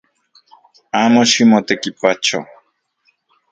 Amo ximotekipacho